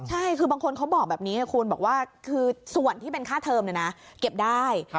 ใช่คือบางคนเขาบอกแบบนี้ไงคุณบอกว่าคือส่วนที่เป็นค่าเทอมเก็บได้